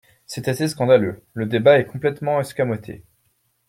C’est assez scandaleux ! Le débat est complètement escamoté.